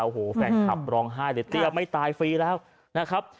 โอ้โหแฟนคลับร้องไห้เลยเตี้ยไม่ตายฟรีแล้วนะครับ